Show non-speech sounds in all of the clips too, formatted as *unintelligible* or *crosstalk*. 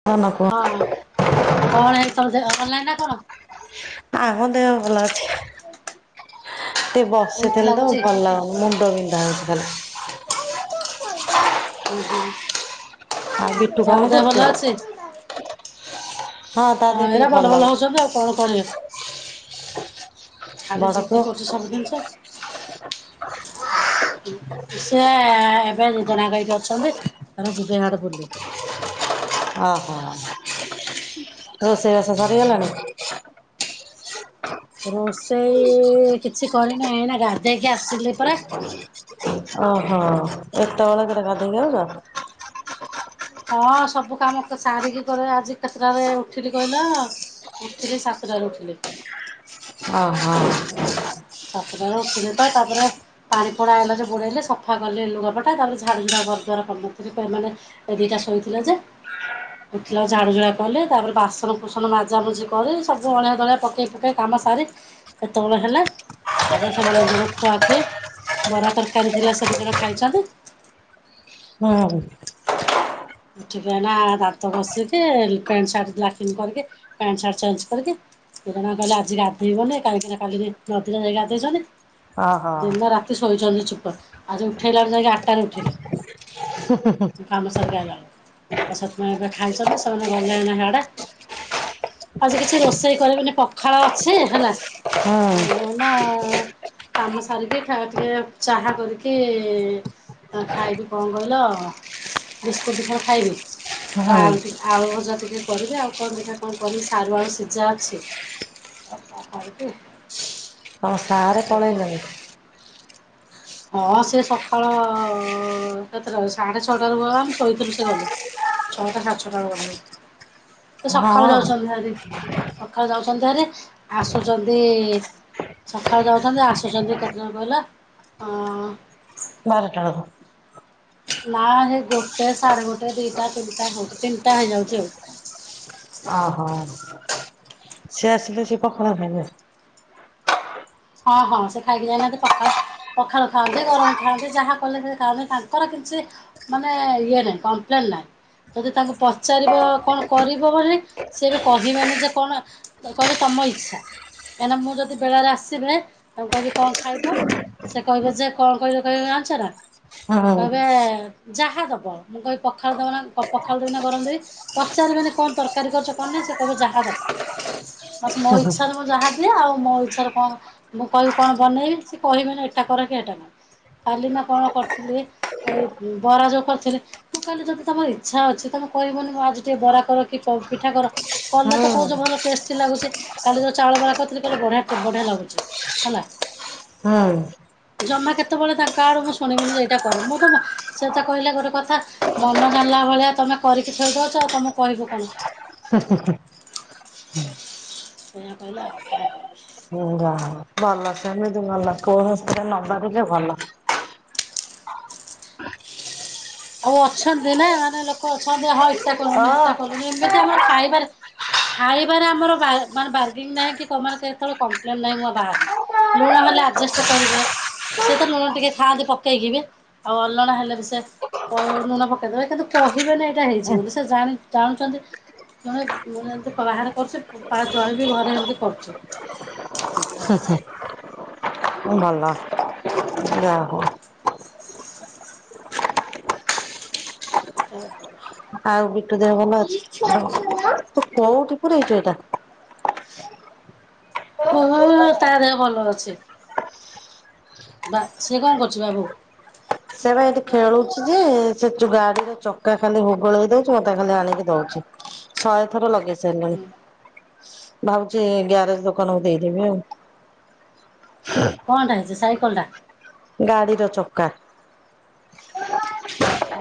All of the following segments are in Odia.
*unintelligible* ହଁ, କଣ ହେଇଚି ତମ ଦେହ ଭଲ ନାଇଁ ନା କଣ? ଆମ ଦେହ ଭଲ ଅଛି। ଏ ୱିକ ବସିଥିଲୁ ତ ଲାଗୁଛି। ଭଲ ମୁଣ୍ଡ ବିନ୍ଧା ହେଉଥିଲା। ଆଉ ବିଟୁ କଣ ବାବୁ ଦେହ ଭଲ କରୁଛି? ଅଛି। ହଁ ତା ହ ଦେହ ଏଇରା ଟିକେ ବଲ ଭଲ ବଲ ଅଛି। ହଉଛନ୍ତି ଆଉ କଣ କରିବେ। ଖାଲି ବଡ ଜିଦି ପୁଅ କରୁଛି ସବୁ ଜିନିଷ। *inaudible* ସେ ଏବେ ଦି ଜଣାଙ୍କ ଏଇଠି ଅଛନ୍ତି ଯିବେ ଆଡେ ବୁଲି। ଓ ହୋ ରୋଷେଇ ବାସ ଆଉ ସରିଗଲାଣି। ରୋଷେଇ କିଛି କରିନି ଏଇନା ଗାଧେଇକି ଆସିଲି ପରା। ଓହୋ ଏତେବେଳେ କରେ ଗାଧେଇକି ଆଉଚ। ହଁ ସବୁ କାମ ସାରିକି କରେ ଆଜି କେତେଟାରେ ଉଠିଲି କହିଲ? ଉଠିଲି ସାତଟାରେ ଉଠିଲି। ଓ ହୋ। ସାତଟାରେ ଉଠିଲେ ତ ତାପରେ ପାଣି ପଡା ହେଲା ଯେ ବୁଡେଇଲେ ସଫା କଲେ ଲୁଗାପଟା ତାପରେ ଝାଡୁ ଝୁଡା ଘରଦ୍ୱାର ଏମାନେ ଏ ଦୁଇଟା ଶୋଇଥିଲେ ଯେ ଦେଖିଲ ଝଡୁଝୁଡ଼ା କଲେ ତାପରେ ବାସନ କୁସନ ମଜାମୁଜି କରି ସବୁ ଅଳିଆ ଦଳିଆ ପକେଇ ପୁକାକି। କାମ ସାରି ଏତେବେଳ ହେଲା। ତାପରେ ସେମାନେ ଦୁଇ ଜଣ ଖୁଆଖୁଇ ବରା ତରକାରୀ ଥିଲେ ସେ ଦୁଇ ଜଣ ଖାଇଛନ୍ତି। ହଁ। ଠିକିନା ଦାନ୍ତ ଘସିକି ପ୍ୟାଣ୍ଟ ସାର୍ଟ ଲାଟିନ କରିକି ପ୍ୟାଣ୍ଟ ସାର୍ଟ ଚେଞ୍ଜ କରିକି। *unintelligible* କହିଲା ଆଜି ଗାଧେଇବନି କାହିକିନା କାଲିି ଯେ ନଦୀରେ ଯାଇ ଗାଧେଇଛନ୍ତି। ଓହୋ ଦିନ ରାତି ଶୋଇଛନ୍ତି ଚୁପ ଆଜି ଉଠେଇଲାରୁ ଯାଇକି ଆଠଟାରେ ଉଠିଲେ। ହଁ। କାମ ସାରିକି ଆଇଲ। ତାଛତ ଏବେ ଖାଇଛନ୍ତି ସେମାନେ ଗଲେ ଏଇନେ ହାଡେ। ଆଜି କିଛି ରୋଷେଇ କରିବନି ପଖାଳ ଅଛି ହେଲା ହୁଁ ନା କାମ ସାରିକି ଖାଇବାଟିକେ ଚାହା କରିକି ତ ଖାଇବି କଣ କହିଲ ବିସ୍କୁଟ ଦି କଣ ଖାଇବି ତ ଆଳୁ ହୁଁ ଟିକେ। ଆଳୁ ଭଜା ଟିକେ କରିବି ଆଉ କଣ ଦେଖିବା କଣ କରିବି ସାରୁଆଳୁ ସିଝା ଅଛି। ଅହ ଆଉ କି ହଁ ସାରେ ପଳେଇଲେଣି। ହଁ ସେ ସକାଳ କେତେଟା ସାଢେ ଛଅଟାରୁ ଆମେ ଶୋଇଥିଲୁ ସେ ଗଲେ। ଛଅଟା ସାଢଛଅଟା ବେଳୁ ଗଲେନି ସେ ହଁ ସକାଳୁ ଯାଉଛନ୍ତି ଭାରି। ସକାଳୁ ଯାଉଛନ୍ତି ହାରି ଆସୁଛନ୍ତି। ସକାଳୁ ଯାଉଛନ୍ତି ଆସୁଛନ୍ତି କେତେବେଳେ କହିଲ ଅ ବାରଟା ବେଳକୁ। ନା ହେ ଗୋଟେ ସାଢେ ଗୋଟେ ଦିଟା ତିନିଟା ହଉଛି ତିନିଟା ହେଇଯାଉଛି ଆଉ। ଓହୋ ସିଏ ଆସିଲେ ସେ ପଖାଳ ଖାଇବେ। ହଁ ହଁ ସେ ଖାଇକି ଯାଇନାହାନ୍ତି ପଖାଳ। ପଖାଳ ଖାଆନ୍ତି ଗରମ ଖାଆନ୍ତି ଯାହା କଲେ ସେ ଖାଉନ୍ତି ତାଙ୍କର କିଛି ମାନେ ଇଏ ନାଇଁ କମ୍ପ୍ଲେନ ନାହିଁ। ଯଦି ତାଙ୍କୁ ପଚାରିବ କଣ କରିବ ବୋଲି ସିଏ ବି କହିବେନି ଯେ କଣ। କହିବେ ତମ ଇଚ୍ଛା କାହିଁକିନା ମୁଁ ଯଦି ବେଳାରେ ଆସି। ସିବେ ତାଙ୍କୁ କହିବି କଣ ଖାଇବ ସେ କହିବେ ଯେ କଣ କହିଲେ କହିବେ ଜାଣିଛ ନା। ହୁଁ କହିବେ ଯାହା ଦବ ମୁଁ କହିବି ପଖାଳ ଦେବ ନା କ ପଖାଳ ଦେବି ନା ଗରମ ଦେବି। ପଚାରିବେନି କଣ ତରକାରୀ କରିଚ କଣ ନାଇଁ ସେ କହିବେ ଯାହା ଦବ। ବସ୍ ମୋ ଇଚ୍ଛାରେ ମୁଁ ଯାହା ଦିଏ ଆଉ ମୋ ଇଚ୍ଛାରେ କଣ ମୁଁ କହିବି କଣ ବନେଇବି ସେ କହିବେନି ଏଟା କର କି ହେଟା କର କାଲି ନା କଣ କରିଥିଲି। ଏଇ ବରା ଯୋଉ କରିଥିଲି। ମୁଁ କହିଲି ଯଦି ତମର ଇଚ୍ଛା ଅଛି ତମ କହିବନି ମୁଁ ଆଜି ଟିକେ ବରା କର କି ପିଠା କର। କଲେ ହୁଁ ତ କହୁଚ ଭଲ ଟେଷ୍ଟଟି ଲାଗୁଛି କାଲିର ଚାଉଳ ବରା କରିଥିଲି କହିଲେ ବଢିଆ ବଢିଆ ଲାଗୁଚି। ହେଲା। ହଁ। ଜମା କେତେବେଳେ ତାଙ୍କ ଆଡୁ ମୁଁ ଶୁଣିବିନି ଯେ ଏଇଟା କର ମୁଁ ତ ସେ ତ କହିଲେ ଗୋଟେ କଥା ମନ ଜାଣିଲା ଭଳିଆ ତମେ କରିକି ଥୋଇଦୋଉଛ ଆଉ ତମକୁ କହିବୁ କଣ? ହୁ ହୁ ହୁ ସେଇଆ କହିଲେ ଆଉ କଣ କହିବି। ହୁଁ ଯାହା ଭଲ ସେମିତି ଭଲ କୌଣସିଥିରେ ନଭାବିଲେ ଭଲ। ଆଉ ଅଛନ୍ତି ନା ମାନେ ଲୋକ ଅଛନ୍ତି ହଁ ଏଇଟା କଲୁନି ହଁ ହେଟା କଲୁନି ଏମିତି ଆମର ଖାଇବାରେ ଖାଇବାରେ ଆମର ବା ବାର୍ଗିନ୍ ନାହିଁ କି *unintelligible* କେତେବେଳେ କମ୍ପ୍ଲେନ୍ ନାହିଁ। ବା ଲୁଣ ହେଲେ ଆଯେଷ୍ଟ କରିବେ। ସେ ତ ଲୁଣ ଟିକେ ଖାଆନ୍ତି ପକେଇକି ବି ଆଉ ଅଲଣା ହେଲେ ବି ସେ କ ଲୁଣ ପକେଇଦେବେ କିନ୍ତୁ କହିବେନି ଏଇଟା ହେଇଛିି ବୋଲି ସେ ଜାଣି ଜାଣୁଛନ୍ତି। ଜଣେ *unintelligible* ବାହାରେ କରୁଚି ଆ ଜଣେ ବି ଘରେ ଏମିତି କରୁଚି। ଭଲ ଯାହାହୋଉ। *unintelligible* ଆଉ ବିଟୁ ଦେହ ଭଲ ଅଛି? ତୁ କୋଉଠି ପୁରେଇଛୁ ଏଟା। ହୋ ଓ ତା ଦେହ ଭଲ ଅଛି ବା ସେ କଣ କରୁଛି ବାବୁ? ସେ ବା ଏଠି ଖେଳୁଛି ଯେ ସେ ଯୋ ଗାଡିର ଚକା ଖାଲି ହୁଗୁଳେଇ ଦଉଛି ମୋତେ ଖାଲି ଆଣିକି ଦଉଛି। ସହେଥର ଲଗେଇସାରିଲିଣି। ଭାବୁଛି ଗ୍ୟାରେଜ ଦୋକାନକୁ ଦେଇଦେବି ଆଉ। କଣଟା ହେଇଛି ସାଇକଲଟା? ଗାଡିର ଚକା। ଅହ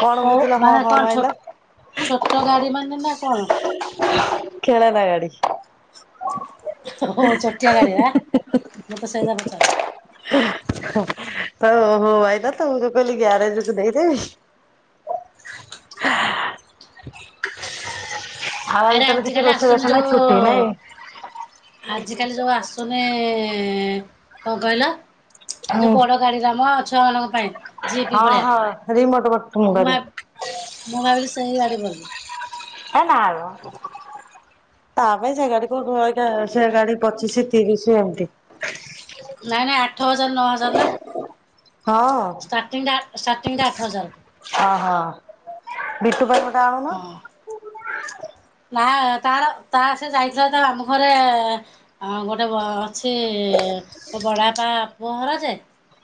କଣ କଉ ବୁଝିଲା ହଁ ମାନେ ହଁ କଣ ଛୋ ମାଇଲା ଛୋଟ ଗାଡି ମାନେ ନା କଣ? ଖେଳନା ଗାଡି। ଓହୋ ଛୋଟିଆ ଗାଡିରା ମୁଁ ତ ସେଇଆ ପଚାରୁଚି। ତ ଓହୋ ଆଇଲା ତ, ମୁଁ ଯୋଉ କହିଲି ଗ୍ୟାରେଜକୁ ଦେଇଦେବି। ଆଉ ଆଜି ରା ତାହେଲେ କିଛି ଆଜିକାଲି ରୋଷେଇ ବାସ ଆସୁନି ନାହିଁ ଛୁଟି ଯୋଉ, ନାଇଁ? ଆଜିକାଲି ଯୋଉ ଆସୁ ତୁମେ କଣ କହିଲ ଏ ଯୋଉ ବଡ଼ ଗାଡିରା ମ ଛୁଆ ମାନଙ୍କ ପାଇଁ। ଜିପି ହଁ ଭଳିଆ ହଁ ରିମୋଟ ବଟମ୍ ମୁଁ ଭା ଗାଡି। ମୁଁ ଭାବିଲି ସେହି ଗାଡି ବୋଲି। ହେ ନା ମ। ତା ପାଇଁ ସେ ଗାଡି କୋଉଠୁ ଅଇଲା ସେ ଗାଡି ପଚିଶି ତିରିଶ ଏମିତି। ନାଇଁ ନାଇଁ ଆଠ ହଜାର ନଅ ହଜାର ନା। ହଁ। ଷ୍ଟାଟିଂଟା ଷ୍ଟାର୍ଟିଂଟା ଆଠ ହଜାର। ଓ ହୋ ବିଟୁ ପାଇଁ ଗୋଟେ ଆଣୁନ? ତା ତାର ତାର ସେ ଯାଇଥିଲା ତା ମାମୁ ଘରେ ଗୋଟେ ସେ ମୋ ବଡବାପା ପୁଅ ଘର ଯେ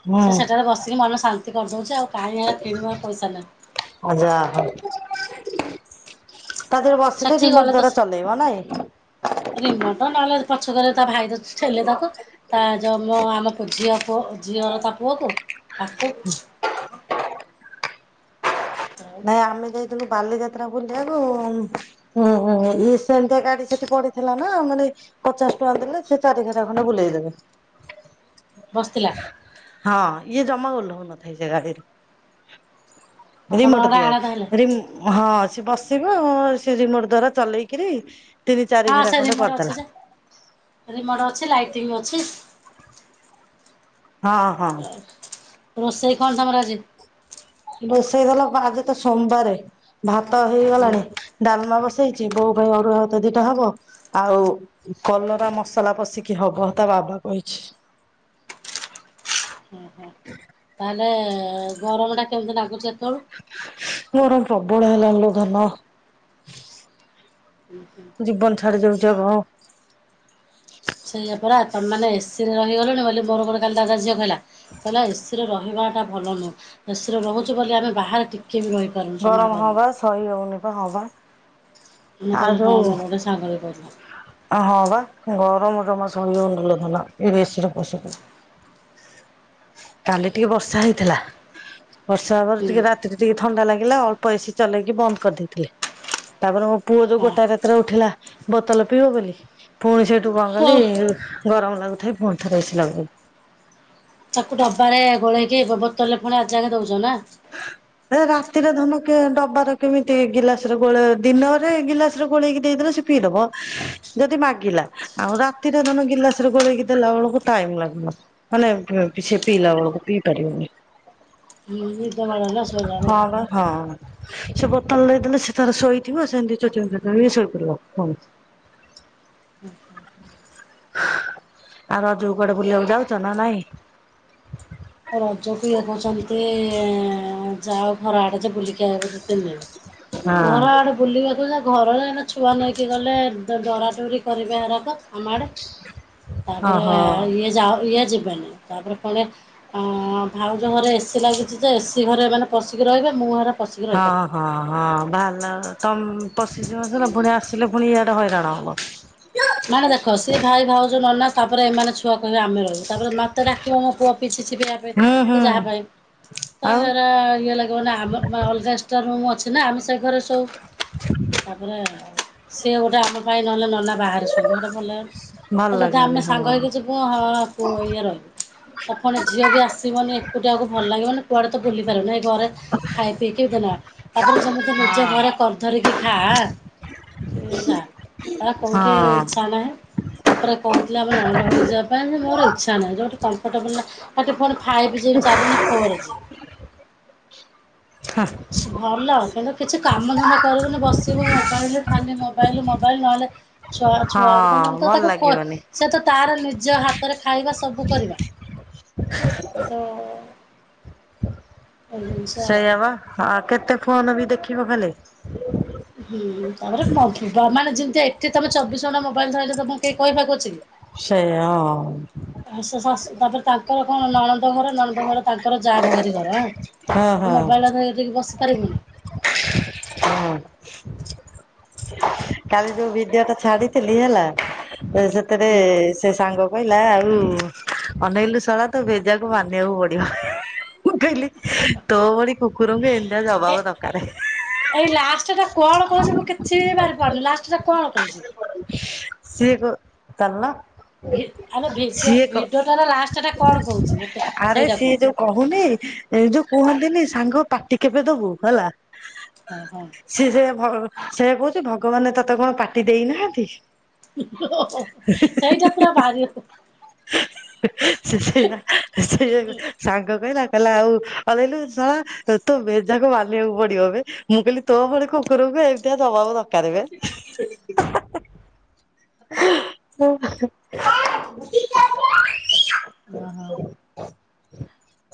ହୁଁ ସେ ସେଠାରେ ବସିକି ମନ ଶାନ୍ କରିଦଉଚି ଆଉ କାଇଁ ହେରା କିଣିବ ପଇସା ନାଁ ଯାହାହଉ। ତା ଦେହରେ ବସିଲେ ସେଠି ଗଲେ ରିମୋଟ ତ ଦ୍ଵାରା ଚଲେଇବ ନାଇଁ। ରିମୋଟ ନହେଲେ ପଛକରେ ତା ଭାଇ ବସିଚି ଛେଲେ ତାକୁ। ତା ଯ ମ ଆମ ଝିଅ ପୁଅ ଝିଅର ତା ପୁଅକୁ ତାକୁ *inaudible* ଆଉ ନାଇଁ ଆମେ ଯାଇଥିଲୁ ବାଲିଯାତ୍ରା ବୁଲିବାକୁ ହୁଁ ହୁଁ ଇଏ ସେମିତିଆ ଗାଡି ସେଠି ପଡିଥିଲା ନା ମାନେ ପଚାଶ ଟଙ୍କା ଦେଲେ ସେ ଚାରିଘେରା ଖଣ୍ଡେ ବୁଲେଇ ଦେବେ। ବସିଥିଲା। ହଁ ଇଏ ଜମା ଓହ୍ଲୋଉ ନ ଥାଏ ସେ ଗାଡିରୁ। ରିମୋଟ ଦିଆ ରି *inaudible* ହଁ ସେ ବସିବ, ସେ ରିମୋଟ ଦ୍ଵାରା ଚଲେଇକିରି ତିନି ଚାରି ହଁ ସେ ଘେରା ଖଣ୍ଡେ ରିମୋଟ ଅଛି କରିଦେଲା। ଯେ ରିମୋଟ ଅଛି ଲାଇଟିଂ ବି ଅଛି। ହଁ ହଁ ରୋଷେଇ କଣ ତମର ଆଜି? ରୋଷେଇ ଗଲା ଆଜି ତ ସୋମବାରେ, ଭାତ ହୁଁ ହେଇଗଲାଣି ଡାଲମା ବସେଇଛି ବୋଉ ପାଇଁ ଅରୁଆ ଭାତ ଦିଟା ହବ ଆଉ କଲରା ମସଲା ପଶିକି ହବ ତା ବାବା କହିଛି? ଓ ହୋ ତାହେଲେ ଗରମ ଟା କେମିତି ଲାଗୁଛି ଏତେବେଳୁ? ଗରମ ପ୍ରବଳ ହେଲାଲୋ ଧନ। ହୁଁ ହୁଁ। ଜୀବନ ଛାଡି ଯାଉଛି ଆଗ ସେଇଆ ପରା ତମେ ମାନେ ଏସିରେ ରହିଗଲଣି ବୋଲି ମୋର ଗୋଟେ କାଲି ଦାଦା ଝିଅ କହିଲା। କହିଲା ଏସିରେ ରହିବାଟା ଭଲ ନୁହେଁ ଏସିରେ ରହୁଛୁ ବୋଲି ଆମେ ବାହାରେ ଟିକେ ବି ରହି ପାରୁନୁ ସମ୍ଭାଳି ଗରମ ହଁ ବା ସହି ହଉନି ବା ହଁ ବା ପାରୁନୁ ମୁ ଆଉ କହିଲି ହଁ ଯୋଉ ମୋର ଗୋଟେ ସା ଙ୍ଗଟେ କହୁଥିଲା। ହଁ ବା ଗରମ ଜମା ସହିହଉନି ଲୋ ଧନ ଏ ଏସିରେ ପଶିକି। କାଲି ଟିକେ ବର୍ଷା ହେଇଥିଲା। ବର୍ଷା ହେବାରୁ ହୁଁ ଟିକେ ରାତିରେ ଟିକେ ଥଣ୍ଡା ଲାଗିଲା ଅଳ୍ପ ଏସିି ଚଲେଇକି ବନ୍ଦ କରିଦେଇଥିଲେ ତାପରେ ମୋ ପୁଅ ଯୋଉ ହଁ ଗୋଟା ରାତିରେ ଉଠିଲା ବୋତଲ ପିଇବ ବୋଲି ପୁଣି ସେଇଠୁ କଣ କଲି? ହଉ ଗରମ ଲାଗୁଥାଏ ପୁଣି ଥରେ ଏସି ଲଗେଇଲି। ତାକୁ ଡବାରେ ଗୋଳେଇକି ବୋତଲରେ ପୁଣି ଆଜି ଯାକେ ଦଉଛ ନା? *inaudible* ରାତିରେ ଧନ କେ ଡବାରେ କେମିତି ଗିଲାସରେ ଗୋଳେଇ ଦିନରେ ଗିଲାସରେ ଗୋଳେଇକି ଦେଇଦେଲେ ସେ ପିଇଦବ ଯଦି ମାଗିଲା ଆଉ ରାତିରେ ଧାନ ଗିଲାସରେ ଗୋଳେଇକି ଦେଲା ବେଳକୁ ଟାଇମ ଲାଗିବ। ମାନେ ଏବେ *unintelligible* ପିଇଲା ବେଳକୁ ପିଇ ପାରିବନି। ହୁଁ ମାଡ଼ିଲା ଶୋଇଲା ହଁ ବେଳୁ ବା ହଁ। ସେ ବୋତଲରେ ଦେଲେ ସେତାର ଶୋଇଥିବ ସେମିତି ଚୁଚୁମି ଚୁଚୁମି ଶୋଇପଡିବ ପୁଣି *inaudible* ଆଉ ରଜକୁ କୁଆଡେ ବୁଲିବାକୁ ଯାଉଛ ନା ନାଇଁ। ରଜକୁ ଇଏ କହୁଛନ୍ତି ଯାଅ ଘର ଆଡେ ଯେ ବୁଲିକି ଆଇବ ଦି ତିନି ଦିନ। *inaudible* ଘର ଆଡେ ବୁଲିବାକୁ ଯେ ଘରରେ ଛୁଆ ନେଇକି ଗଲେ ଡରାଡରି କରିବେ ହେରାକ। ଆମଆଡେ ତାପରେ ଓହୋ। ଇଏ ଯା ଇଏ ଯିବେନି ତାପରେ ପୁଣି ଭାଉଜ ଘରେ ଏସିି ଲାଗିଛି ଯେ ଏସିି ଘରେ ମାନେ ପଶିକି ରହିବେ ମୁଁ ଘରେ। ପଶିକି ହଁ ରହିପାରିବିନି। ହଁ ହଁ ବାହାରଲା ତମ ପଶିଯିବସିନା ପୁଣି ଆସିଲେ ପୁଣି ଇଆଡେ ହଇରାଣ ହବ। ମାନେ ଦେଖ ସିଏ ଭାଇ ଭାଉଜ ନନା ତାପରେ ଏମାନେ ଛୁଆ କହିବେ ଆମେ ରହିବୁ। ତାପରେ ମତେ ଡାକିବ ମୋ ପୁଅ ପିଠିଚିପିବା ହୁଁ ହୁଁ ପାଇଁ ଯାହା ପାଇଁ ଆଉ ତାରା ଇଏ ଲାଗିବ ନା ଆମ ଅଲଗା ଏକ୍ସଟ୍ରାରୁମ୍ ଅଛି ନା ଆମେ ସେ ଘରେ ସୋଉ। ତାପରେ ସିଏ ଗୋଟେ ଆମ ପାଇଁ ନହେଲେ ନନା ବା ଭଲ ଭଲ ତ ଯଦି ଲାଗିବନି ଆମେ ହଁ। ସାଙ୍ଗ ହେଇକି ଯିବୁ ହଁ ଇଏ ରହିବୁ। ପ୍ରଥମେ ଝିଅ ବି ଆସିବନି ଏକୁଟିଆକୁ ଭଲ ଲାଗିବନି କୁଆଡେ ତ ବୁଲି ପାରିବୁନି ଏଇ ଘରେ ଖାଇ ପିଇକି ଦିନ ତାପରେ ଯେମିତି ହଁ ନିଜ ଘରେ କରି ଧରିକି ଖା କ କଉଠି ଇଛା ନାହିଁ। ତାପରେ କହୁଥିଲା ଆମ ନଣନ୍ଦ ଘରେଟି ଯିବା ପାଇଁ ମୋର ଇଛା ନାହିଁ ଯୋଉଠି କମ୍ଫର୍ଟେବଲ ନାଁ ତାକୁ ଟିକେ ଫାଇଭ୍ ଜି ଚାଲୁନି ଫୋର୍ ଜି। ହଁ ଭଲ କିନ୍ତୁ କିଛି କାମ ଧନ୍ଦା କରିବୁନି ବସିବ ମୋବାଇଲ ଖାଲି ମୋବାଇଲ ମୋବାଇଲ ନହେଲେ ଛୁଆ ହଁ ଛୁଆ ଭଲ ତାକୁ ଲାଗିବନି। ସେ ତ ତାର ନିଜ ହାତରେ ଖାଇବା ସବୁ କରିବା କିନ୍ତୁ ଏଇ ଜିନିଷ ଆଉ ସେଇଆ ବା ହଁ କେତେ ଫୋନ ବି ଦେଖିବ ଖାଲି। ହୁଁ ତାପରେ ମାନେ ଯେମିତି ଏଠି ତମେ ଚବିଶ ଘଣ୍ଟା ମୋବାଇଲ ଧଇଲେ ତମ କେହି କହିବାକୁ ଅଛି କି? ସେୟା ହଁ। ଆ ଶାଶୁ ତାପରେ ତାଙ୍କର କଣ ନଣନ୍ଦ ଘର ନଣନ୍ଦ ଘର ତାଙ୍କର ଯା ଭଗାରି ଘର ହଁ ହଁ ହଁ ହଁ ତ ମୋବାଇଲ ଧ ଟିକି ବସି ପାରିବୁନି ହୁଁ। କାଲି ଯୋଉ ଭିଡିଓ ଟା ଛାଡିଥିଲି ହେଲା ସେଥିରେ ହୁଁ ସେ ସାଙ୍ଗ କହିଲା ଆଉ ଅନେଇଲୁ ସଳା ତ ଭେଜାକୁ ମାନିବାକୁ ପଡିବ। ମୁଁ କହିଲି ତୋ ଭଳି କୁକୁରଙ୍କୁ ଏନିତି ଜବାବ ଏ ଦରକାର। ଏଇ ଲାଷ୍ଟଟା କଣ କହୁଛି ମୁଁ କିଛି ବାରି ପାରୁନି ଲାଷ୍ଟ ଟା କଣ କହୁଛି ସିଗ ତାଲ ଆମେ ଭି ଭିଡିଓଟାର ଲାଷ୍ଟ ଟା କଣ କହୁଛିୁ ମତେ ଆରେ ସେଇଟା ସିଏ କୁହ ଯୋଉ କହୁନି ଏଇ ଯୋଉ କୁହନ୍ତିନି ସାଙ୍ଗ ପାଟି କେବେ ଦବୁ ହେଲା ହଁ ହଁ ସିଏ ସେ ସେ କହୁଛି ଭଗବାନ ତୋତେ କଣ ପାଟି ଦେଇନାହାନ୍ତି ଓ ସେଇଟ ପୁରା ବାର ହ ସେ ସେୟା ସେସେୟା ସାଙ୍ଗ କହିଲା କହିଲା ଆଉ ଅଇଲୁ ଶଲା ତୋ ଭେଜାକୁ ମାନିବାକୁ ପଡିବ ଏ ମୁଁ କହିଲି ତୋ ଭଳି କୁକୁରକୁ ଏମିତିଆ ଦବାକୁ ଦରକାର ଏ *inaudible* ଓହୋ।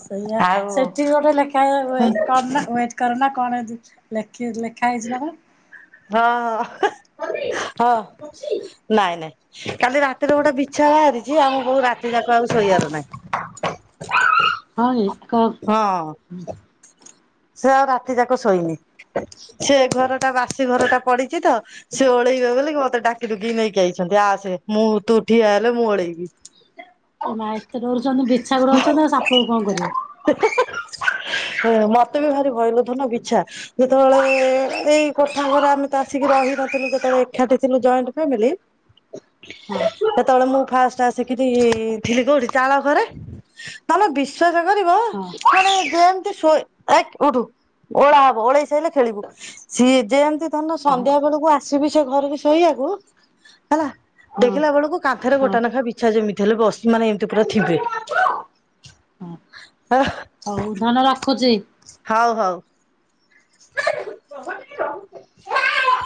ସେଇଆ ଆଉ ସେଠି ଗୋଟେ ଲେଖା ୱଟ କରନା ୱେଟ କରନା କଣ ଏନ୍ତି ଲେଖା ଲେଖି ଲେଖା ହେଇଛି ନା କଣ ହଁ ହଁ ହଁ। ନାଇଁ ନାଇଁ କାଲି ରାତିରେ ଗୋଟେ ବିଛା ବାହାରିଚି ଆମ ବୋଉ ରାତି ଯାକ ଆଉ ଶୋଇବାର ନାଇଁ ହଁ କି କଣ ହଁ ସେ ଆଉ ରାତି ଯାକ ଶୋଇନି ସେ ଘର ଟା ବାସି ଘର ଟା ପଡିଚି ତ ସେ ଓଳେଇବେ ବୋଲି କି ମତେ ଡାକିଡୁକିକି ନେଇକି ଆଇଛନ୍ତି ଆସେ ମୁଁ ତୁ ଠିଆ ହେଲେ ମୁଁ ଓଳେଇବି *inaudible* ଏ ମା ଏତେ ଡରୁଚନ୍ତି ବିଛା କୁ ଡରୁଚନ୍ତି ଆଉ ସାପ କୁ କଣ କରିବେ ହି ହି ମତେ ବି ଭାରି ଭୟଲୋ ଧନ ବିଛା ଯେତେବେଳେ ଏଇ କୋଠା ଘରେ ଆମେ ତ ଆସିକି ରହି ନଥିଲୁ ଯେତେବେଳେ ଏକାଠି ଥିଲୁ ଜଏଣ୍ଟ ଫାମିଲି ହଁ ସେତେବେଳେ ମୁଁ ଫା ସେଠୁ ଆସିକିରି ଥିଲି କୋଉଠି ଚାଳ ଘରେ ତମେ ବିଶ୍ଵାସ କରିବ ମ ହଁ ଯେମତି ଶୋଇବୁ ଓଳା ହବ ଓଳେଇ ସାଇଲେ ଖେଳିବୁ। ସିଏ ଯେମିତି ଧନ ହଉ ସନ୍ଧ୍ୟା ବେଳକୁ ଆସିବି ସେ ଘରକୁ ଶୋଇବାକୁ ହେଲା ହଁ ଦେଖିଲା ବେଳକୁ କାନ୍ଥରେ ହଁ ଗୋଟା ନାଖା ବିଛା ଯେମିତି ହେଲେ ବସି ମାନେ ଏମିତି ପୁରା ଥିବେ ହଁ *inaudible* ହଉ ଧନ ରଖୁଚି ହଉ ହଉ। *inaudible*